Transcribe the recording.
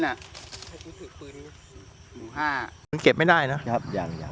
หนูห้าเห็นเก็บไม่ได้น่ะครับยังยัง